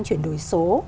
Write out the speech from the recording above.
chuyển đổi số